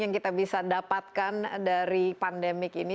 yang bisa kita dapatkan dari pandemi ini